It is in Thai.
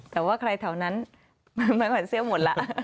แต่ว่าใครแถวนั้นมันก็เห็นเสื้อหมดละ